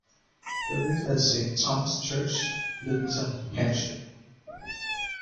Buried at Saint Thomas Church, Lymington, Hampshire.